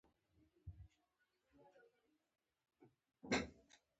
د افغانستان لپاره مجيب الرحمان ځدراڼ دوې ویکټي واخیستي.